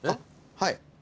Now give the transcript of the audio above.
はい。